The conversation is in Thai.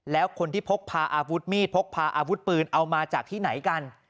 แล้วคนที่พกพาอาวุธมีดพกพาอาวุธปืนเอามาจากที่ไหนกัน